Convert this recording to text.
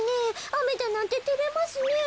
あめだなんててれますねえ。